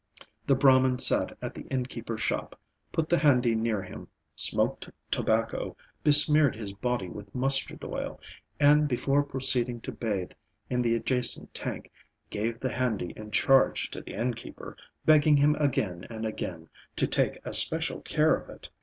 The Brahman sat at the innkeeper's shop, put the handi near him, smoked tobacco, besmeared his body with mustard oil, and before proceeding to bathe in the adjacent tank gave the handi in charge to the innkeeper, begging him again and again to take especial care of it.